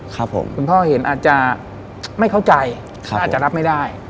ครับผมคุณพ่อเห็นอาจจะไม่เข้าใจอาจจะรับไม่ได้